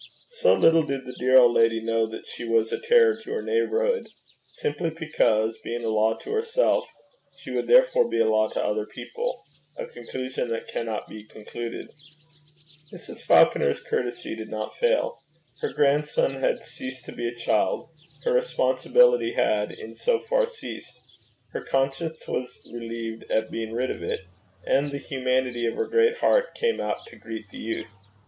So little did the dear old lady know that she was a terror to her neighbourhood! simply because, being a law to herself, she would therefore be a law to other people, a conclusion that cannot be concluded. Mrs. Falconer's courtesy did not fail. Her grandson had ceased to be a child; her responsibility had in so far ceased; her conscience was relieved at being rid of it; and the humanity of her great heart came out to greet the youth.